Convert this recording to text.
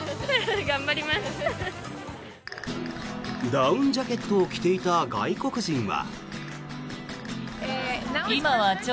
ダウンジャケットを着ていた外国人は。